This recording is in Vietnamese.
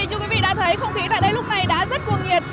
như quý vị đã thấy không khí tại đây lúc này đã rất cuồng nhiệt